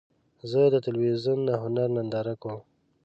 زه د تلویزیون د هنر ننداره کوم.